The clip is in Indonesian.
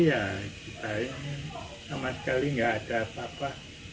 ya kita ini sama sekali nggak ada apa apa